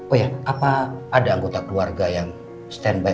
oh ya apa ada anggota keluarga yang stand by